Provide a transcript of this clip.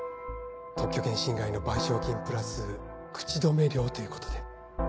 特許権侵害の賠償金プラス口止め料ということで。